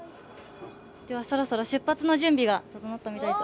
ではそろそろ出発の準備が整ったみたいです。